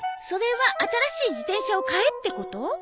それは新しい自転車を買えってこと？